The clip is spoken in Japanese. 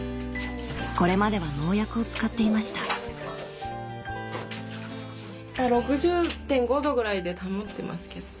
これまでは農薬を使っていました６０．５度ぐらいで保ってますけど。